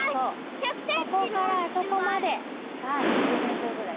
ここからあそこまでが２０ｍぐらい。